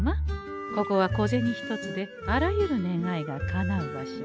ここは小銭一つであらゆる願いがかなう場所。